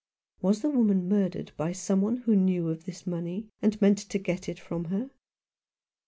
Was the woman mur dered by some one who knew of this money, and meant to get it from her?